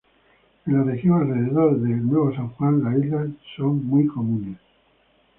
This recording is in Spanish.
En la región alrededor de Nuevo San Juan, las islas son muy comunes.